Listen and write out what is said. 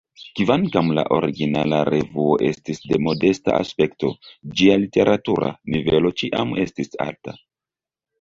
Kvankam la originala revuo estis de modesta aspekto, ĝia literatura nivelo ĉiam estis alta.